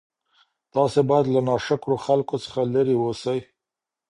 تاسي باید له ناشکرو خلکو څخه لیري اوسئ.